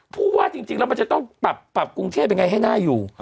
พูดว่าจริงแล้วมันจะต้องปรับกรุงเทพยังไงให้น่าอยู่